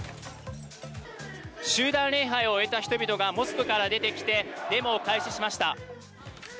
集団礼拝を終えた人々がモスクから出てきてデモを開始しました。